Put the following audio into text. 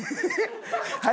はい？